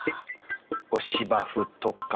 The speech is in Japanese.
芝生とか。